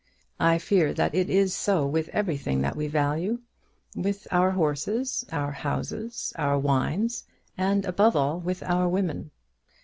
I fear that it is so with everything that we value, with our horses, our houses, our wines, and, above all, with our women.